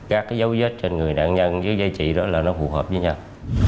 các cái dấu vết trên người nạn nhân với giá trị đó là nó phù hợp với nhau